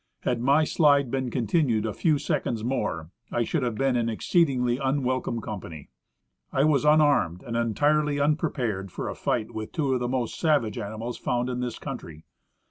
Had my slide been con tinued a few seconds more I should have been in exceedingly unwelcome company. I was unarmed, and entirely unprepared for a fight with two of the most savage animals found in this country.